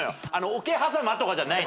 桶狭間とかじゃない。